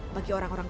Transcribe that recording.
bagi orang orang tua